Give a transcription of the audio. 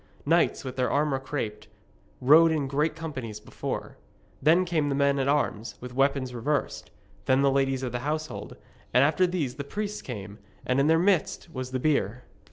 Knights, with their armour craped, rode in great companies before; then came the men at arms with weapons reversed; then the ladies of the household, and after these the priests came, and in their midst was the bier.